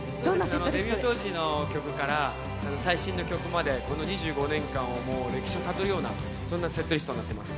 デビュー当時の曲から最新の曲までこの２５年間を歴史をたどるようなそんなセットリストになってます。